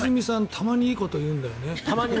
たまにいいこと言うんだよね。